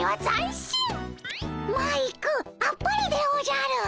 マイクあっぱれでおじゃる。